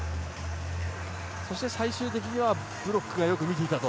そして最終的にはブロックがよく見ていたと。